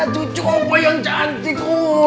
ah cucu opo yang cantik